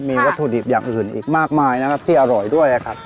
มีวัตถุดิบอย่างอื่นอีกมากมายนะครับที่อร่อยด้วยครับ